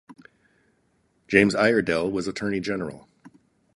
James Iredell was Attorney General.